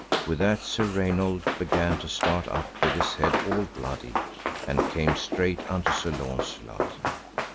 With that Sir Raynold began to start up with his head all bloody, and came straight unto Sir Launcelot.